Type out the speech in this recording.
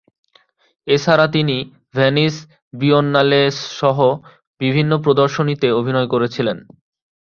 এছাড়া, তিনি ভেনিস বিয়েন্নালেসহ বিভিন্ন প্রদর্শনীতে অভিনয় করেছিলেন।